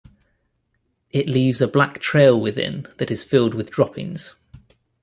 It leaves a black trail within that is filled with droppings.